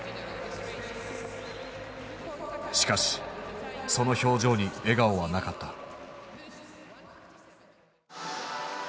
しかしその表情に笑顔はなかった。